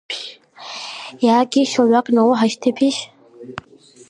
Иаагишь, лҩак науҳашьҭыпишь!